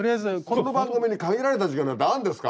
この番組に限られた時間なんてあるんですか？